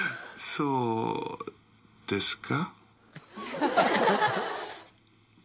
そうですね。